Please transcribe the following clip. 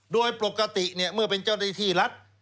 โดยปกติเมื่อเป็นเจ้าหน้าที่รัฐ